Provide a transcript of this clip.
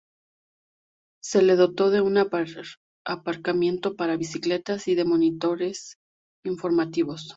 Se le dotó de un aparcamiento para bicicletas y de monitores informativos.